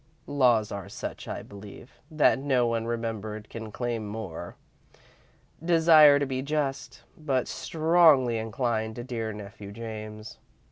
Laws are such, I believe, that no one remembered can claim more. Desire to be just, but strongly incline to dear Nephew James."